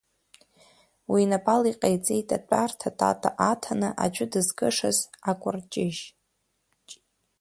Уи инапала иҟаиҵеит атәарҭа тата аҭаны аӡәы дызкышаз акәырҷыжь.